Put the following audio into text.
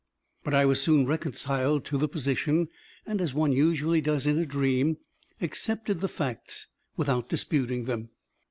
But I was soon reconciled to the position, and as one usually does in a dream, accepted the facts without disputing them.